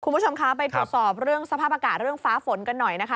คุณผู้ชมคะไปตรวจสอบเรื่องสภาพอากาศเรื่องฟ้าฝนกันหน่อยนะคะ